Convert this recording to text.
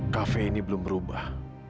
kafe ini belum berubah